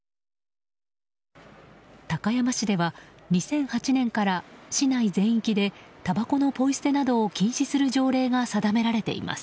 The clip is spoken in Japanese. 高山市では、２００８年から市内全域でたばこのポイ捨てなどを禁止する条例が定められています。